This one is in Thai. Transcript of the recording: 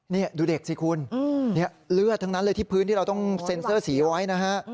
นี่ดูเด็กสิคุณเลือดทั้งนั้นเลยที่พื้นที่เราต้องเซ็นเซอร์สีไว้นะฮะ